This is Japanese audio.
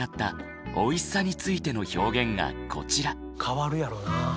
変わるやろうなあ。